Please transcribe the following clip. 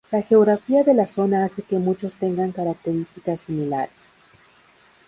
La geografía de la zona hace que muchos tengan características similares.